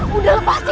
kak udah lepaskan